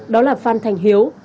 đó là phan thành hiếu